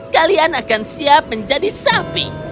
kalian akan siap menjadi sapi